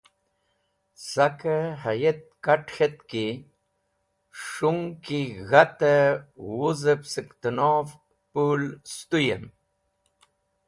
Sakẽ hayt kat̃ k̃het ki s̃hung ki g̃hatẽ wuzẽb sẽk tẽnov pũl sẽtũyẽm.